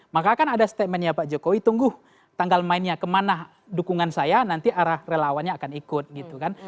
maka akan ada statementnya pak jokowi tunggu tanggal mainnya kemana dukungan saya nanti arah relawannya akan ikut gitu kan